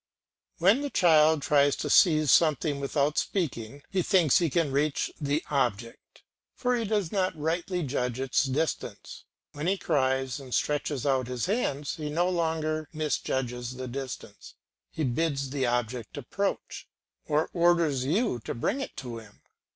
When the child tries to seize something without speaking, he thinks he can reach the object, for he does not rightly judge its distance; when he cries and stretches out his hands he no longer misjudges the distance, he bids the object approach, or orders you to bring it to him.